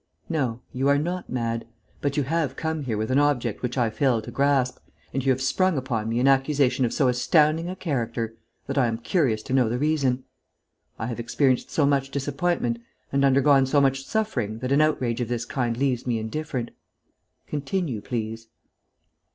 No, you are not mad. But you have come here with an object which I fail to grasp; and you have sprung upon me an accusation of so astounding a character that I am curious to know the reason. I have experienced so much disappointment and undergone so much suffering that an outrage of this kind leaves me indifferent. Continue, please."